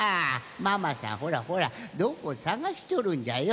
ママさんほらほらどこさがしとるんじゃよ。